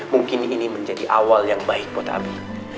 mungkin ini menjadi awal yang baik buat kami